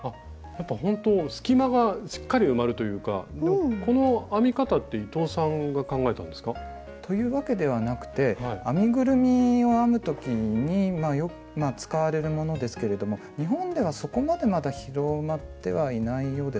ほんと隙間がしっかり埋まるというかこの編み方って伊藤さんが考えたんですか？というわけではなくて編みぐるみを編む時に使われるものですけれども日本ではそこまでまだ広まってはいないようですね。